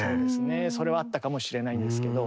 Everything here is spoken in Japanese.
それはあったかもしれないんですけど。